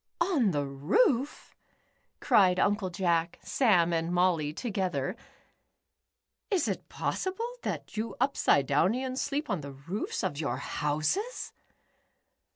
"On the roof?" cried Uncle Jack, Sam, and Molly together. "Is it possible that you Upside downlans sleep on the roofs of your houses